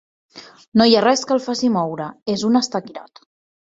No hi ha res que el faci moure: és un estaquirot.